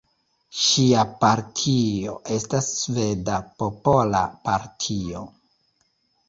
Ŝia partio estas Sveda Popola Partio.